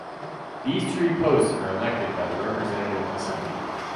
These three posts are elected by the Representative Assembly.